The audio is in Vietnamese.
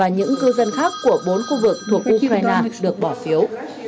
những cư dân khác của bốn khu vực thuộc ukraine được bỏ phiếu